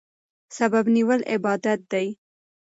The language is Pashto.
سبب نیول عبادت دی.